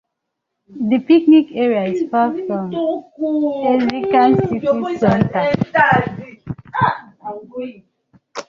The picnic area is far from Erzincan city center.